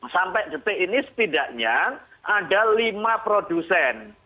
sampai detik ini setidaknya ada lima produsen